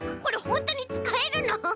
これほんとにつかえるの？